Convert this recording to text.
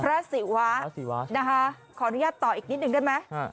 ศิวะพระศิวะนะคะขออนุญาตต่ออีกนิดนึงได้ไหม